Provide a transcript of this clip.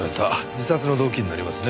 自殺の動機になりますね。